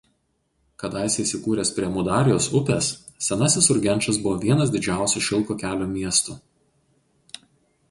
Kadaise įsikūręs prie Amudarjos upės senasis Urgenčas buvo vienas didžiausių šilko kelio miestų.